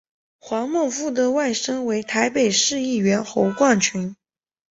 黄孟复的外甥为台北市议员侯冠群。